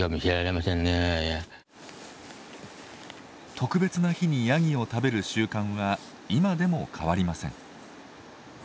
特別な日にヤギを食べる習慣は今でも変わりません。